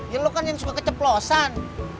ya lo kan yang suka keceplosan